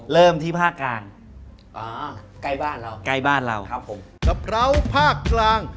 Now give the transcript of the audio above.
เริ่มที่ภาคกลาง